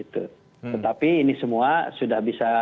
tetapi ini semua sudah bisa